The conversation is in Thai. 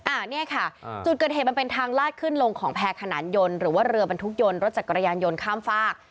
อันนี้ค่ะจุดเกิดเหตุมันเป็นทางลาดขึ้นลงของแพรขนานยนต์หรือว่าเรือบรรทุกยนต์รถจักรยานยนต์ข้ามฝาก